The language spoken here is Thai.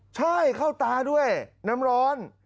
ใช่เข้าตาด้วยน้ำร้อน